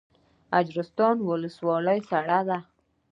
اجرستان ولسوالۍ سړه ده؟